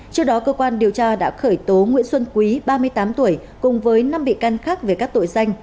trước đó cơ quan điều tra đã khởi tố nguyễn xuân quý ba mươi tám tuổi cùng với năm bị can khác về các tội danh